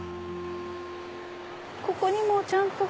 ここにもちゃんと。